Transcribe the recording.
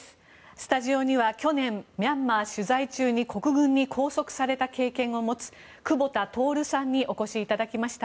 スタジオには去年、ミャンマー取材中に国軍に拘束された経験を持つ久保田徹さんにお越しいただきました。